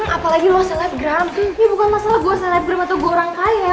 apalagi lo selebram ya bukan masalah gua selebram atau gua orang kaya